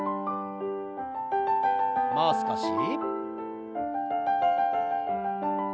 もう少し。